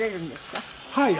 はい。